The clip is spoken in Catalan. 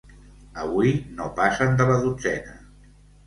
Avui no passen de la dotzena.